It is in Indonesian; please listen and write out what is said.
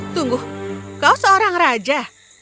tunggu kau seorang raja